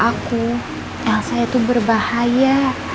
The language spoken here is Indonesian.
gak bisa elsa itu berbahaya